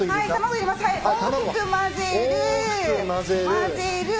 大きくまぜる。